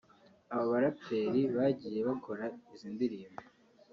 Aba baraperi bagiye bakora izi ndirimbo